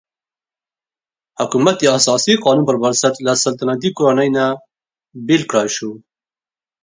حکومت د اساسي قانون پر بنسټ له سلطنتي کورنۍ نه بېل کړای شو.